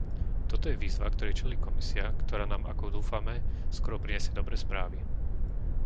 Toto je výzva, ktorej čelí Komisia, ktorá nám ako dúfame skoro prinesie dobré správy.